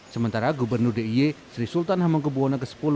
sementara gubernur d i e sri sultan hamengkebuwana ke sepuluh